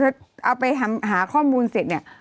มันติดคุกออกไปออกมาได้สองเดือน